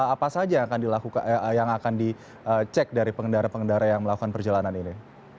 apa saja yang akan dicek dari pengendara pengendara yang melakukan perjalanan ini